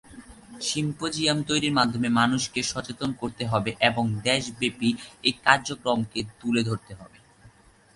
Symposium তৈরির মাধ্যমে মানুষকে সচেতন করতে হবে ও দেশব্যাপী এই কার্যক্রমকে তুলে ধরতে হবে।